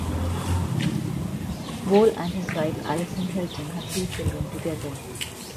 Wohl and his wife Alison Hilton have two children together.